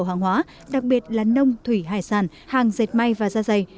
nga đã tạo ra các dự án đặc biệt là nông thủy hải sản hàng dệt may và da dày